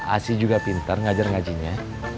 asyik juga pintar mengajar ngajinya